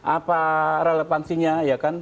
apa relevansinya ya kan